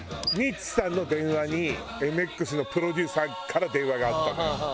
ミッツさんの電話にＭＸのプロデューサーから電話があったのよ。